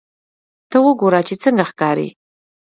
ته وګوره چې څنګه ښکاري